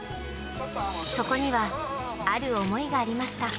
そこには、ある思いがありました。